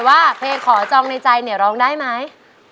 ว่าเพลงขอจองในใจนิ้วลองได้มั้ย